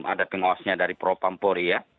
ada pengawasnya dari propampori ya